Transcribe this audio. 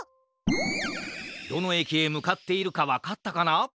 どのえきへむかっているかわかったかな？